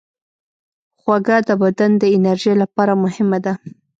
خوږه د بدن د انرژۍ لپاره مهمه ده.